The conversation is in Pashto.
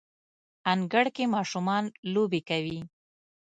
انګړ کې ماشومان لوبې کوي